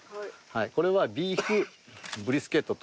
これはビーフブリスケットといいます。